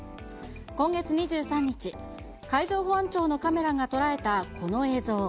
今月２３日、海上保安庁のカメラが捉えたこの映像。